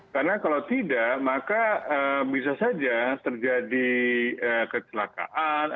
karena kalau tidak maka bisa saja terjadi kecelakaan